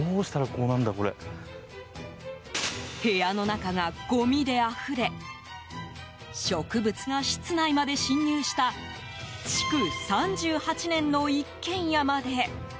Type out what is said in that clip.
部屋の中がごみであふれ植物が室内まで侵入した築３８年の一軒家まで。